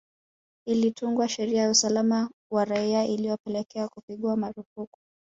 Ilitungwa sheria ya usalama wa raia ilyopelekea kupigwa marufuku